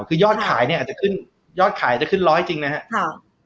คือยอดขายจะขึ้น๑๐๐จริงนะครับ